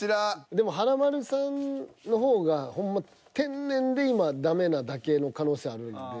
でも華丸さんの方がほんま天然で今ダメなだけの可能性あるんで。